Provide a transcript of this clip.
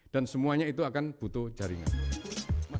dan semuanya itu akan butuh jaringan